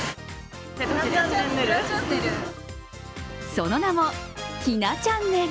その名も、ひなちゃんねる。